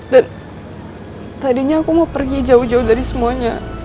dan tadinya aku mau pergi jauh jauh dari semuanya